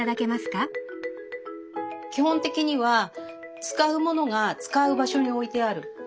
基本的には使うものが使う場所に置いてある。